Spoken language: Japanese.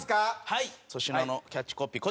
粗品のキャッチコピー